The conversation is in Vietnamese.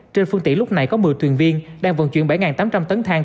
trên phương tiện lúc này có một mươi tuyển viên đang vận chuyển bảy tám trăm linh tấn thang